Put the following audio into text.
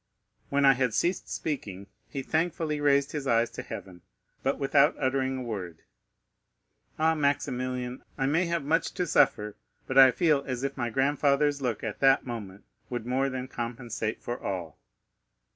When I had ceased speaking, he thankfully raised his eyes to heaven, but without uttering a word. Ah, Maximilian, I may have much to suffer, but I feel as if my grandfather's look at that moment would more than compensate for all."